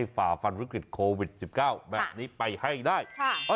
ร้านนี้เลยครับคุณผู้ชมครับ